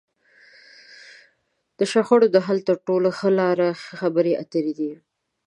د شخړو د حل تر ټولو ښه لار؛ خبرې اترې دي.